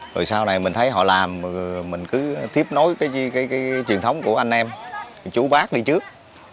rồi sau này mình thấy họ làm mình cứ tiếp nối cái truyền thống của anh em chú bác đi trước